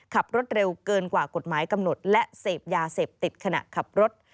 ขับรถเร็วเกินกว่ากฎหมายกำหนดและเสพยาเสพติดขณะขับรถ